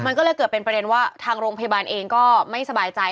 มันก็เลยเกิดเป็นประเด็นว่าทางโรงพยาบาลเองก็ไม่สบายใจ